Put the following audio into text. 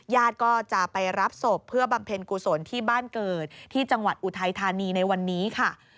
ญาติก็จะไปรับศพเพื่อบำเพ็ญกุศลที่บ้านเกิดที่จังหวัดอุทัยธานีในวันนี้ค่ะ